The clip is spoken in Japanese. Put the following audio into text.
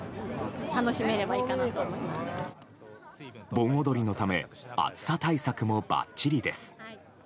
盆踊りのため暑さ対策もばっちりです。